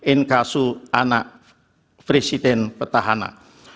inkasu anak presiden petahana